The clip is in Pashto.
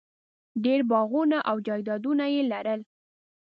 ډېر باغونه او جایدادونه یې لرل.